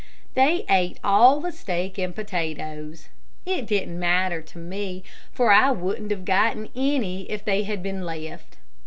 They ate all the steak and potatoes. It didn't matter to me, for I wouldn't have gotten any if they had been left.